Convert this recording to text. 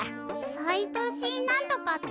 サイトシーなんとかって？